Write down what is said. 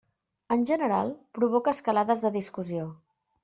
En general provoca escalades de discussió.